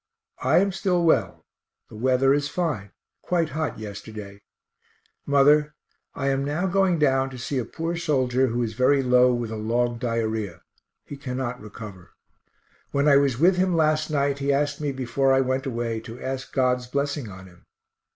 I am still well. The weather is fine; quite hot yesterday. Mother, I am now going down to see a poor soldier who is very low with a long diarrhoea he cannot recover. When I was with him last night, he asked me before I went away to ask God's blessing on him.